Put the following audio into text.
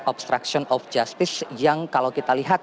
obstruction of justice yang kalau kita lihat